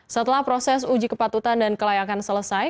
setelah proses uji kepatutan dan kelayakan selesai